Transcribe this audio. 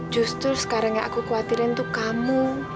justru sekarang yang aku khawatirin tuh kamu